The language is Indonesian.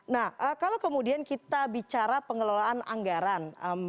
nah kalau kemudian kita bicara pengelolaan anggaran